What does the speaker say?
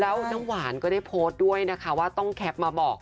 แล้วน้ำหวานก็ได้โพสต์ด้วยนะคะว่าต้องแคปมาบอก